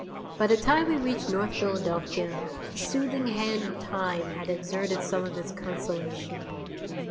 By the time we reached North Philadelphia the soothing hand of Time had exerted some of its consolation.